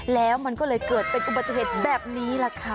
แล้วมันก็เลยเกิดเป็นอุบัติเหตุแบบนี้แหละค่ะ